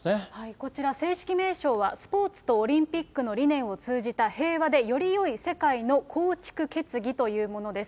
こちら、正式名称は、スポーツとオリンピックの理念を通じた平和でより良い世界の構築決議というものです。